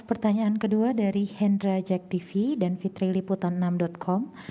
pertanyaan kedua dari hendra jack tv dan fitri liputan enam com